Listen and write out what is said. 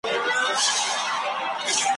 یو خزان یې په تندي کي رالیکلی `